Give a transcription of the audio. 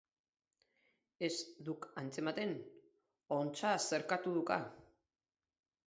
Ez duk atzematen? Ontsa xerkatu duka?